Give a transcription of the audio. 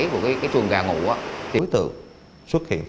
bị hại nói không